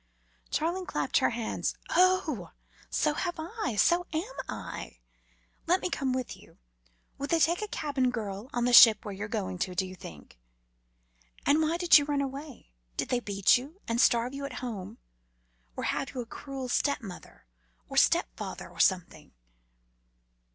Charling clapped her hands. "Oh! so have I! So am I! Let me come with you. Would they take a cabin girl on the ship where you're going to, do you think? And why did you run away? Did they beat you and starve you at home? Or have you a cruel stepmother, or stepfather, or something?"